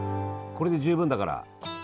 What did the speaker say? これで十分だから。